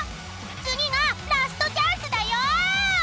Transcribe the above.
［次がラストチャンスだよ！］